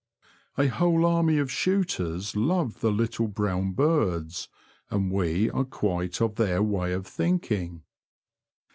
A whole army of shooters love the little brown birds, and we are quite of their way of thinking.